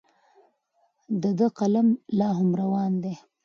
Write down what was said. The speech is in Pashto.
د ده قلم لا هم روان دی.